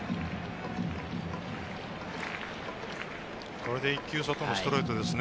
これで１球、外のストレートですね。